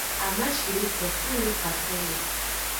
Amashideke to le katonme.